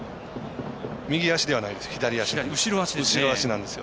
右足ではないです、左足です。